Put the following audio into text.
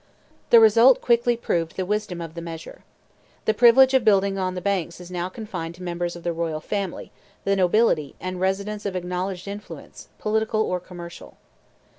The result quickly proved the wisdom of the measure. The privilege of building on the banks is now confined to members of the royal family, the nobility, and residents of acknowledged influence, political or commercial.